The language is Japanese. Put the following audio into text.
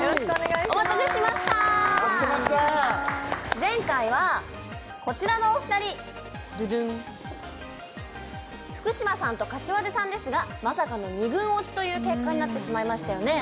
前回はこちらのお二人ドゥドゥン福嶌さんと膳さんですがまさかの２軍落ちという結果になってしまいましたよね